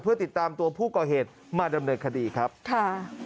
เพื่อติดตามตัวผู้ก่อเหตุมาดำเนินคดีครับค่ะ